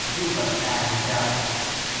یوہ بادشاہ جرگا